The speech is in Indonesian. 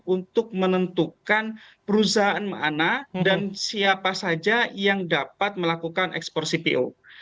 untuk menentukan perusahaan mana dan siapa saja yang dapat melakukan ekspor cpo